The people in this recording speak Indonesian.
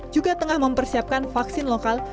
juga tengah mempersiapkan vaksin lokal